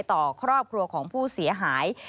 ต่อครอบครัวของผู้เสียหาย